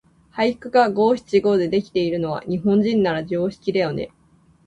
俳句が五七五でできているのは、日本人なら常識だよね。